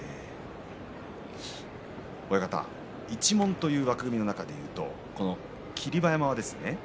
親方、一門という枠組みの中でいうとこの霧馬山ですね